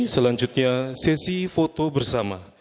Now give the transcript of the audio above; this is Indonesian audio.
selanjutnya sesi foto bersama